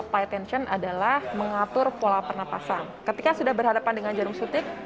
pay attention adalah mengatur pola pernafasan ketika sudah berhadapan dengan jarum suntik